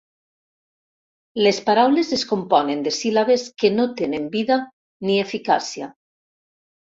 Les paraules es componen de síl·labes que no tenen vida ni eficàcia.